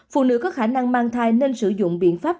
phụ nữ có khả năng mang thai nên sử dụng biện pháp